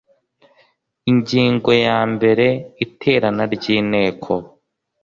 ingingo ya mbere iterana ry inteko